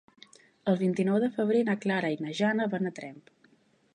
El vint-i-nou de febrer na Clara i na Jana van a Tremp.